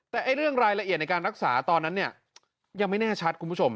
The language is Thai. แต่เรื่องรายละเอียดในการรักษาตอนนั้นเนี่ยยังไม่แน่ชัดคุณผู้ชม